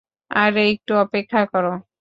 আরে একটু অপেক্ষা কর।